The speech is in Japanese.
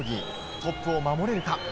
トップを守れるか。